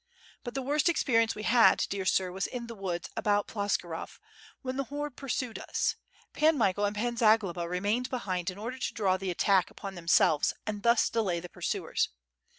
But the worst experience we had, dear sir, was in the woods about Ploskirov when the horde pursued us. Pan Michael and Pan Zagloba remained behind in order to draw the attack upon themselves and thus delay the pur suers.